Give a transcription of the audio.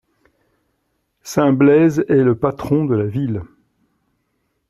Saint Blaise est le patron de la ville.